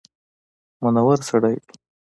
منور سړی دی.